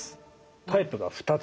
タイプが２つある。